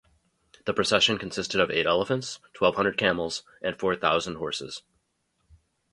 The procession consisted of eight elephants, twelve hundred camels, and four thousand horses.